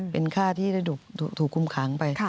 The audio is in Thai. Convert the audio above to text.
เป็นค่าที่ได้ถูกคุมขังไป